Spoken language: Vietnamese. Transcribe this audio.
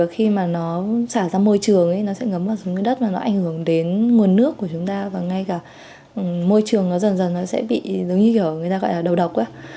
khi mà nó xả ra môi trường nó sẽ ngấm vào đất và nó ảnh hưởng đến nguồn nước của chúng ta và ngay cả môi trường nó dần dần nó sẽ bị giống như kiểu người ta gọi là đầu độc